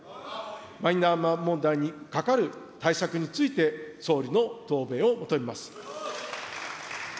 マイナンバー問題にかかる対策について、総理の答弁を求めます。